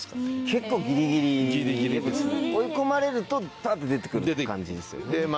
結構ギリギリ。追い込まれるとパッて出て来る感じですよね。